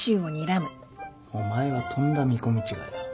お前はとんだ見込み違いだ。